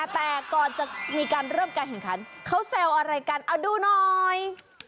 แต่ก่อนจะมีการเริ่มการแข่งขันเขาแซวอะไรกันเอาดูหน่อย